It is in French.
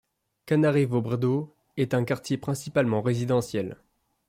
Kanarevo Brdo est un quartier principalement résidentiel.